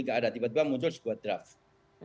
tidak ada tiba tiba muncul sebuah draft